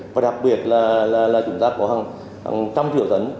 và đặc biệt là chúng ta có hàng trăm triệu tấn